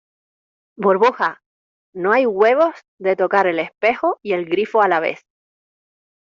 burbuja, no hay huevos de tocar el espejo y el grifo a la vez.